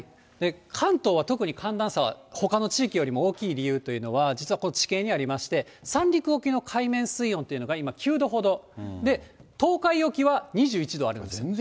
関東は特に寒暖差はほかの地域よりも大きい理由というのは、実はこの地形にありまして、三陸沖の海面水温というのが今、９度ほどで、東海沖は２１度あるんです。